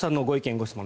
・ご質問